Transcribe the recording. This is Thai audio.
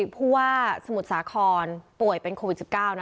ผู้ว่าสมุทรสาครป่วยเป็นโควิด๑๙